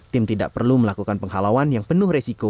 tim tidak perlu melakukan penghalauan yang penuh resiko